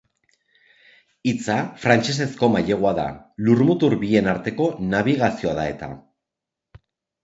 Hitza frantsesezko mailegua da, lurmutur bien arteko nabigazioa da eta.